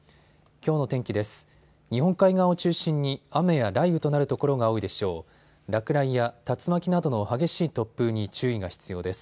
きょうの天気です。